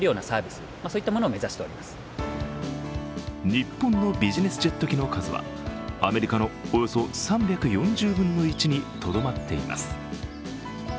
日本のビジネスジェット機の数はアメリカのおよそ３４０分の１にとどまっています。